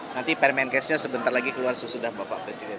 nanti permenkesnya sebentar lagi keluar sesudah bapak presiden